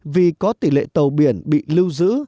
vì có tỷ lệ tàu biển bị lưu giữ